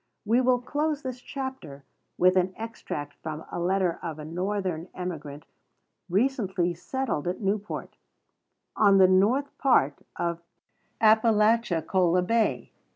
We will close this chapter with an extract from a letter of a Northern emigrant recently settled at Newport, on the north part of Appalachicola Bay.